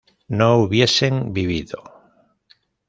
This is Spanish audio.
no hubiesen vivido